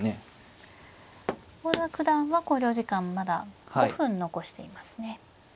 郷田九段は考慮時間まだ５分残していますね。